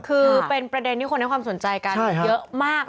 คือเป็นประเด็นที่คนให้ความสนใจกันเยอะมาก